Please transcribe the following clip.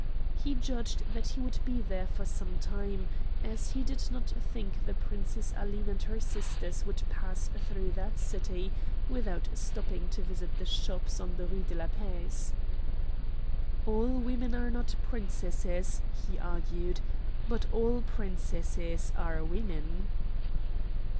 He judged that he would be there for some time, as he did not think the Princess Aline and her sisters would pass through that city without stopping to visit the shops on the Rue de la Paix. "All women are not princesses," he argued, "but all princesses are women."